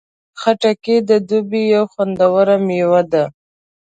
خټکی د دوبی یو خوندور میوه ده.